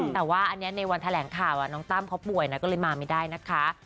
แต่ว่าอันนี้ในวันแถลงข่าวน้องตั้มเขาป่วยนะก็เลยมาไม่ได้นะคะ